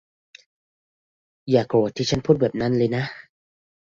อย่าโกรธที่ฉันพูดแบบนั้นเลยนะ